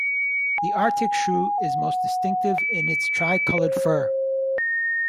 The Arctic shrew is most distinctive in its tricolored fur.